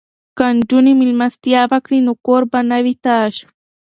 که نجونې میلمستیا وکړي نو کور به نه وي تش.